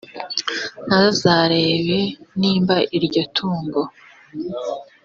ntazarebe niba iryo tungo